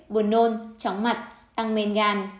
buồn nôn chóng mặt tăng men gan